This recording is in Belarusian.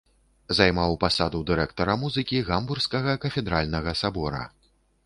Займаў пасаду дырэктара музыкі гамбургскага кафедральнага сабора.